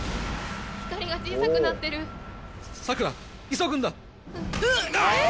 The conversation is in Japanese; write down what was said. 光が小さくなってる」「サクラ急ぐんだ」